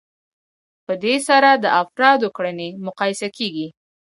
په دې سره د افرادو کړنې مقایسه کیږي.